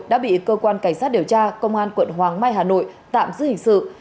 đã bị cơ quan cảnh sát điều tra công an quận hoàng mai hà nội tạm giữ hình sự